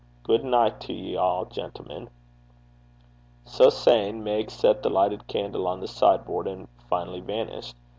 Gude nicht to ye a', gentlemen.' So saying, Meg set the lighted candle on the sideboard, and finally vanished.